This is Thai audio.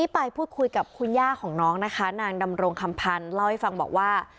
ไปพูดคุยกับคุณย่าของน้องนะคะนางดำรงคำพันธ์เล่าให้ฟังบอกว่า